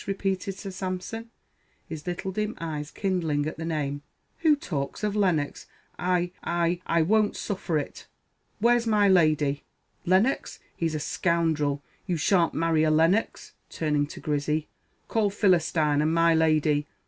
repeated Sir Sampson, his little dim eyes kindling at the name "Who talks of Lennox I I I won't suffer it. Where's my Lady? Lennox! he's a scoundrel! You shan't marry a Lennox!" Turning to Grizzy, "Call Philistine, and my Lady."